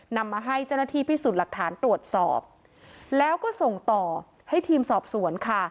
นำมาให้เจ้าหน้าที่พิสูจน์หลักฐานตรวจสอบแล้วก็ส่งต่อให้ทีมสอบสวนค่ะ